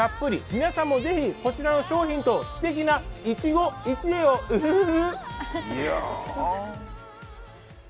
皆さんもぜひ、こちらの商品とすてきな一期一会を、ウフフ。